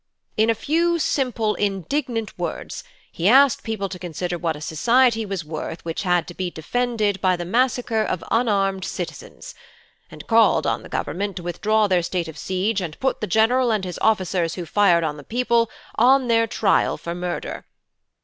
In a few simple, indignant words he asked people to consider what a society was worth which had to be defended by the massacre of unarmed citizens, and called on the Government to withdraw their state of siege and put the general and his officers who fired on the people on their trial for murder.